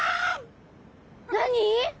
何？